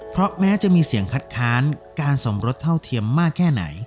เพราะแม้จะมีเสียงคัดค้านการสมรสเท่าเทียมมากแค่ไหน